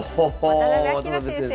渡辺明先生。